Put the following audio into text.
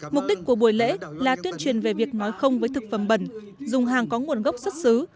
mục đích của buổi lễ là tuyên truyền về việc nói không với thực phẩm bẩn dùng hàng có nguồn gốc xuất xứ